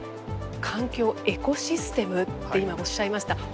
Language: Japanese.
環境エコシステムって今おっしゃいました。